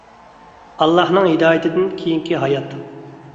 ئاللاھنىڭ ھىدايىتىدىن كېيىنكى ھايات